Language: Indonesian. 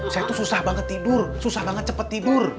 saya itu susah banget tidur susah banget cepet tidur